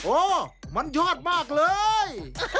โอ้มันยอดมากเลย